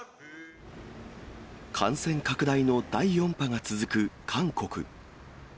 感染拡大の第４波が続く韓国。